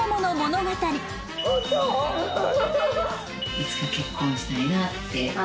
いつか結婚したいなって。